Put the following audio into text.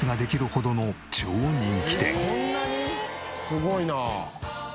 すごいな！